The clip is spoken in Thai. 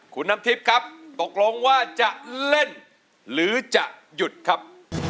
คุณน้ำทิพย์ครับตกลงว่าจะเล่นหรือจะหยุดครับ